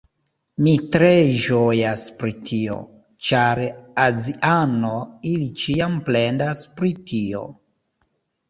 Mi tre ĝojas pri tio! ĉar aziano, ili ĉiam plendas pri tio